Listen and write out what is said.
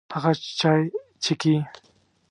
هغه چای چیکي.